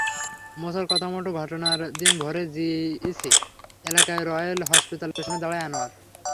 মুছার কথামতো ঘটনার দিন ভোরে জিইসি এলাকার রয়েল হসপিটালের সামনে দাঁড়ান আনোয়ার।